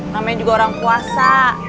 namanya juga orang puasa